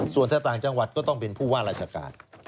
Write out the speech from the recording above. ส่วนถ้าต่างจังหวัดก็ต้องเป็นผู้ว่าราชการ